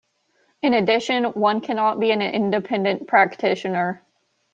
In addition, one cannot be an independent practitioner.